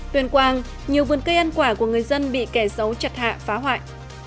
tuyền quang nhiều vườn cây ăn quả của người dân bị kẻ dấu chặt hạ phá hoại